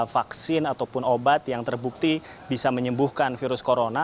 sejauh ini belum ada vaksin ataupun obat yang terbukti bisa menyembuhkan virus corona